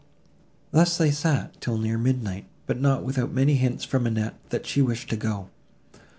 Thus they sat, till near midnight, but not without many hints from Annette, that she wished to go.